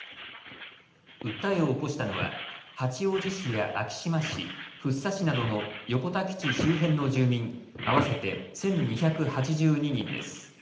訴えを起こしたのは八王子市や昭島市、福生市などの横田基地周辺の住民合わせて１２８２人です。